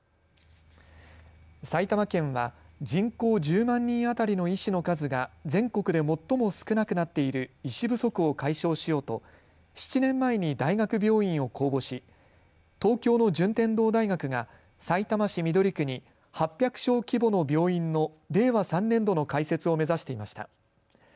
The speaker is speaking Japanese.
埼玉県は人口１０万人あたりの医師の数が全国で最も少なくなっている医師不足を解消しようと７年前に大学病院を公募し東京の順天堂大学がさいたま市緑区に８００床規模の病院の令和３年度の開設を目指していました。